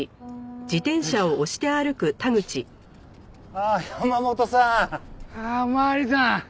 あっ山本さん。あっお巡りさん。